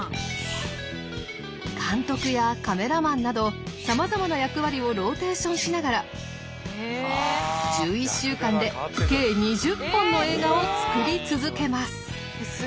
監督やカメラマンなどさまざまな役割をローテーションしながら１１週間で計２０本の映画を作り続けます。